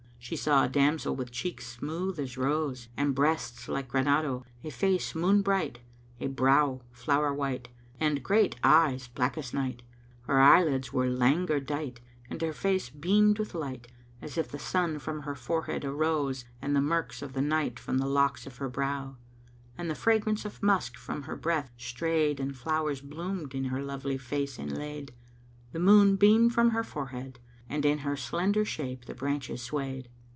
She saw a damsel with cheeks smooth as rose and breasts like granado, a face moon bright, a brow flower white and great eyes black as night; her eyelids were langour dight and her face beamed with light, as if the sun from her forehead arose and the murks of the night from the locks of her brow; and the fragrance of musk from her breath strayed and flowers bloomed in her lovely face inlaid; the moon beamed from her forehead and in her slender shape the branches swayed.